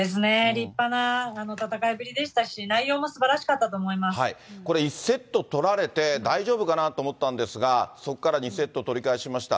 立派な戦いぶりでしたし、これ、１セット取られて大丈夫かなと思ったんですが、そこから２セット取り返しました。